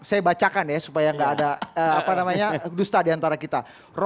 saya bacakan ya supaya gak ada dusta di antara kita